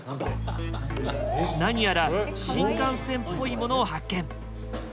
何やら新幹線っぽいものを発見。